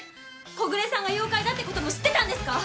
小暮さんが妖怪だって事も知ってたんですか？